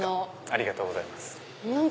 ありがとうございます。